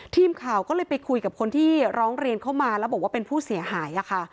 ทีมข่าวก็เลยไปคุยกับคนที่ร้องเรียนเข้ามาแล้วบอกว่าเป็นผู้เสียหายค่ะ